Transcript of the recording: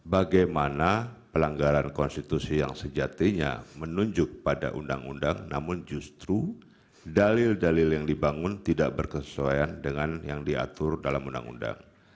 bagaimana pelanggaran konstitusi yang sejatinya menunjuk pada undang undang namun justru dalil dalil yang dibangun tidak berkesesuaian dengan yang diatur dalam undang undang